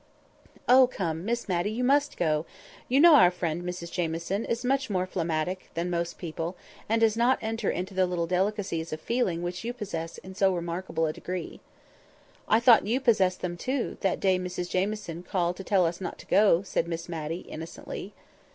"Oh, come! Miss Matty, you must go; you know our friend Mrs Jamieson is much more phlegmatic than most people, and does not enter into the little delicacies of feeling which you possess in so remarkable a degree." "I thought you possessed them, too, that day Mrs Jamieson called to tell us not to go," said Miss Matty innocently.